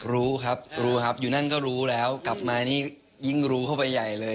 รู้ครับรู้ครับอยู่นั่นก็รู้แล้วกลับมานี่ยิ่งรู้เข้าไปใหญ่เลย